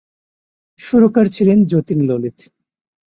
সুরকার ছিলেন যতীন-ললিত।